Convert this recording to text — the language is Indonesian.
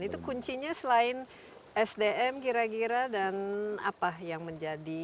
itu kuncinya selain sdm kira kira dan apa yang menjadi